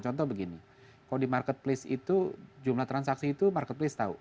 contoh begini kalau di marketplace itu jumlah transaksi itu marketplace tahu